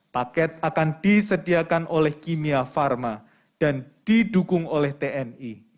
paket akan disediakan oleh kimia pharma dan didukung oleh tni